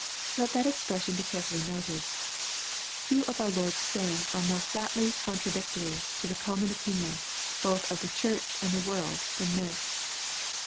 ] Let that expression be carefully noted. Few of our Lord's sayings are more flatly con tradictory to the common opinion, both of the Church and the world, than this.